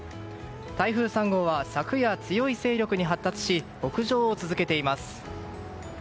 台風３号は昨夜、強い勢力に発達し北上を続けています。